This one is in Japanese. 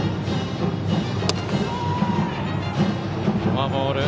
フォアボール。